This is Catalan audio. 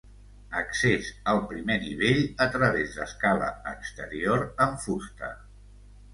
Accés al primer nivell a través d'escala exterior en fusta.